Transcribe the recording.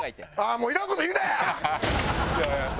もういらん事言うなや！